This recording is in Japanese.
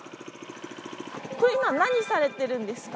これ今何されてるんですか？